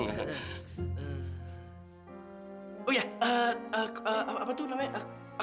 oh iya eh eh apa tuh namanya